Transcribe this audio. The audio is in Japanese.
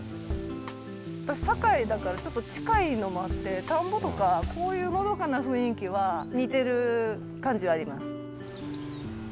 私堺だからちょっと近いのもあって田んぼとかこういうのどかな雰囲気は似てる感じはあります。